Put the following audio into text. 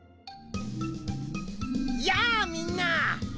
やあみんな！